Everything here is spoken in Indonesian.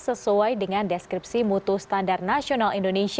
sesuai dengan deskripsi mutu standar nasional indonesia